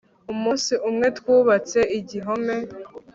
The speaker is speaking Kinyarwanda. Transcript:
umunsi umwe twubatse igihome